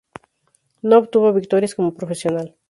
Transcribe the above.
No obtuvo victorias como profesional.